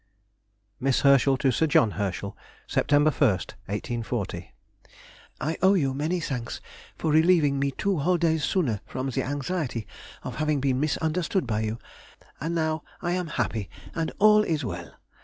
MISS HERSCHEL TO SIR JOHN HERSCHEL. Sept. 1, 1840. ... I owe you many thanks for relieving me two whole days sooner from the anxiety of having been misunderstood by you, and now I am happy, and all is well!